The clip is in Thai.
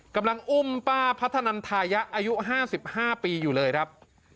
กำลังอุ้มป้าพัฒนันทายะอายุ๕๕ปีอยู่เลยครับ